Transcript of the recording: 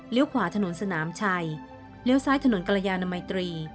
ขวาถนนสนามชัยเลี้ยวซ้ายถนนกรยานมัยตรี